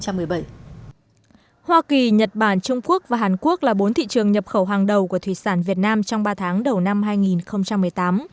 hoa kỳ nhật bản trung quốc và hàn quốc là bốn thị trường nhập khẩu hàng đầu của thủy sản việt nam trong ba tháng đầu năm hai nghìn một mươi tám